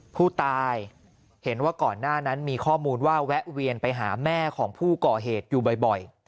ผู้ตายเห็นว่าก่อนหน้านั้นมีข้อมูลว่าแวะเวียนไปหาแม่ของผู้ก่อเหตุอยู่บ่อย